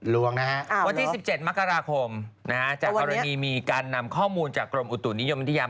ล้วงนะฮะวันที่๑๗มกราคมจากกรณีมีการนำข้อมูลจากกรมอุตุนิยมวิทยา